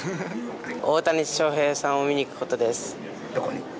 大谷翔平さんを見に行くことどこに？